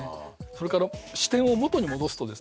それから視点を元に戻すとですね